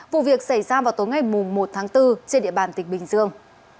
vụ việc xảy ra vào tối ngày một tháng bốn trên địa bàn tỉnh bình dương